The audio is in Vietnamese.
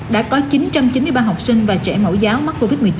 đã có chín trăm chín mươi ba học sinh và trẻ mẫu giáo mắc covid một mươi chín